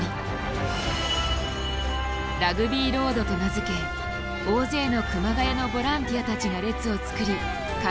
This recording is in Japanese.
「ラグビーロード」と名付け大勢の熊谷のボランティアたちが列を作り観客を出迎える。